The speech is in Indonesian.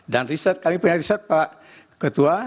dan riset kali ini punya riset pak ketua